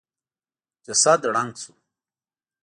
جسد ړنګ شو.